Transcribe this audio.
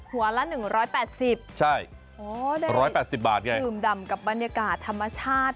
หัวละ๑๘๐ใช่๑๘๐บาทไงดื่มดำกับบรรยากาศธรรมชาติ